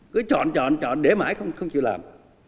cứ chọn chọn chọn để mãi không chịu làm